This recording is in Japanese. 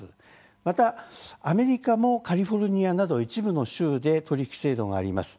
またアメリカもカリフォルニアなど一部の州で取引制度があります。